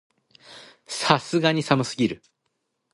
さすがに寒すぎる